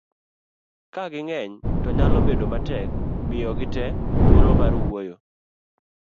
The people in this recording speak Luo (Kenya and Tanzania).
ka ging'eny to nyalo bedo matek miyo gite thuolo mar wuoyo